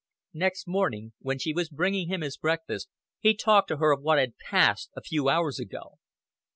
Next morning, when she was bringing him his breakfast, he talked to her of what had "passed a few hours ago."